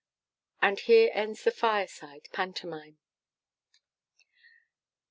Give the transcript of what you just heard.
and here ends the Fireside Pantomime.